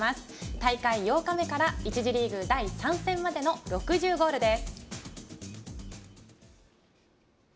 大会８日目から１次リーグ第３戦までの６０ゴールです。